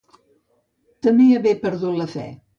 Temé haver perdut la fe.